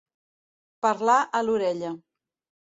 Parlar a l'orella.